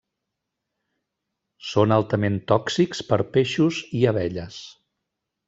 Són altament tòxics per peixos i abelles.